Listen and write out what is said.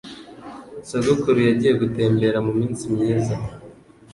Sogokuru yagiye gutembera muminsi myiza